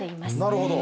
なるほど。